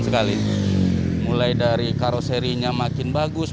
sekali mulai dari karoserinya makin bagus